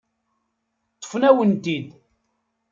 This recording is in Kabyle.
Ṭṭfen-awen-ten-id.